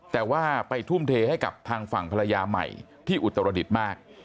แต่ว่าไปทุ่มเทให้กับทางฝั่งภรรยาใหม่ที่อุตรดิษฐ์มาก